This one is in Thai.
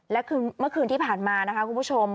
และคือเมื่อคืนที่ผ่านมานะคะคุณผู้ชม